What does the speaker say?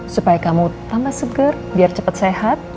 supaya kamu tambah seger biar cepat sehat